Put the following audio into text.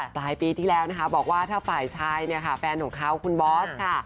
หลายปีที่แล้วนะคะบอกว่าถ้าสหายชายแฟนของเขาคุณบอสค่ะ